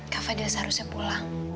kak fadil seharusnya pulang